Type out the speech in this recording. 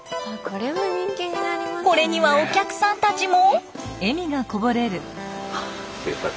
これにはお客さんたちも。